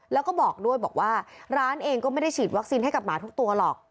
แล้วก็บอกด้วยบอกว่าร้านเองก็ไม่ได้ฉีดวัคซีนให้กับหมาทุกตัวหรอก